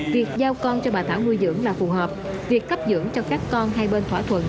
việc giao con cho bà thảo nuôi dưỡng là phù hợp việc cấp dưỡng cho các con hai bên thỏa thuận